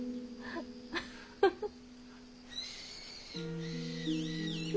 フフフッ。